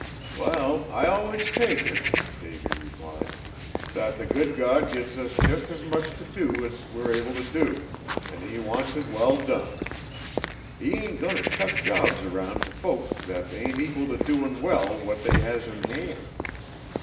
"Well, I allus take it," Davy replied, "that the good God gives us jest as much t' do as we're able t' do, an' He wants it well done. He ain't goin' t' chuck jobs around t' folks that ain't equal t' doin' well what they has in hand.